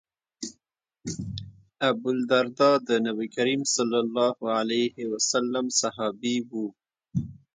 ابوالدرداء د نبي کریم ص صحابي و.